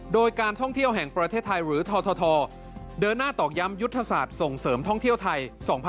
โดยการท่องเที่ยวแห่งประเทศไทยหรือททเดินหน้าตอกย้ำยุทธศาสตร์ส่งเสริมท่องเที่ยวไทย๒๕๖๒